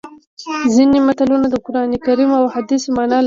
ځینې متلونه د قرانکریم او احادیثو مانا لري